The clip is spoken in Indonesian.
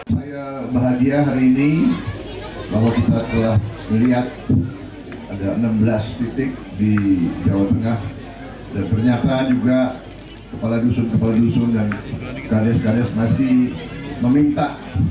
saya bahagia hari ini bahwa kita telah melihat ada enam belas titik di jawa tengah dan ternyata juga kepala dusun kepala dusun dan kades kades masih meminta